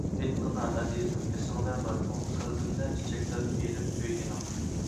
ئېيتقىنا ئەزىزىم ئېسىڭدە بارمۇ، قەلبىمدە چېچەكلەپ ئېرىپ كۆيگىنىڭ.